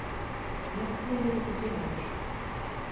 Як ты на гэта пазіраеш?